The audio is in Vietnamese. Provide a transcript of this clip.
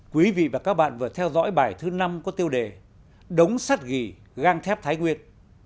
quý vị và các bạn vừa theo dõi bài thứ năm của tiêu đề đống sắt ghi găng thép thái nguyên